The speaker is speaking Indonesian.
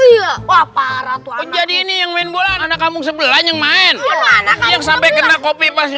oh iya apa ratuan jadi ini yang main bola anak kamu sebelah yang main sampai kena kopi pas